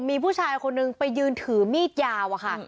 มีผู้ชายคนนึงไปยืนถือมีดยาวอะค่ะ